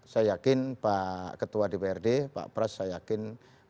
saya yakin pak ketua dprd pak pras saya yakin